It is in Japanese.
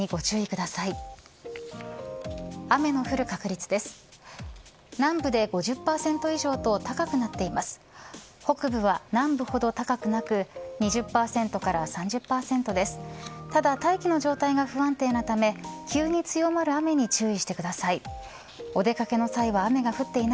ただ、大気の状態が不安定なため急に強まる雨に注意してください。